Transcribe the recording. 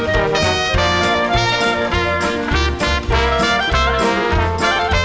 โปรดติดตามต่อไป